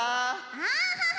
アハハハ！